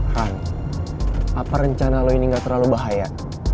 han apa rencana lo ini gak terlalu bahaya